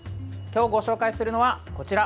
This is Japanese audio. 今日ご紹介するのは、こちら。